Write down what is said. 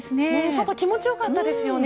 外気持ち良かったですよね。